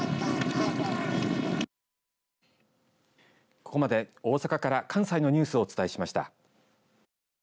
ここまで大阪から関西のニュースをお伝えしました。